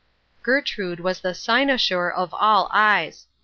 Gertrude was the cynosure of all eyes.